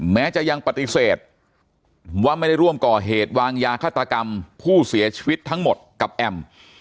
แม้จะยังปฏิเสธว่าไม่ได้ร่วมก่อเหตุวางยาฆาตกรรมผู้เสียชีวิตทั้งหมดกับแอม